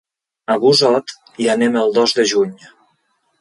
A Busot hi anem el dos de juny.